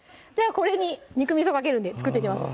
これに肉みそをかけるんで作っていきます